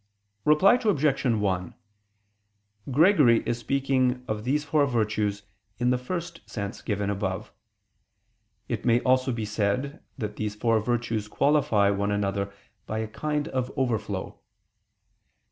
Reply Obj. 1: Gregory is speaking of these four virtues in the first sense given above. It may also be said that these four virtues qualify one another by a kind of overflow.